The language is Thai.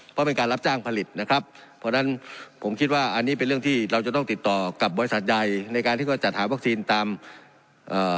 เพราะเป็นการรับจ้างผลิตนะครับเพราะฉะนั้นผมคิดว่าอันนี้เป็นเรื่องที่เราจะต้องติดต่อกับบริษัทใหญ่ในการที่เขาจัดหาวัคซีนตามเอ่อ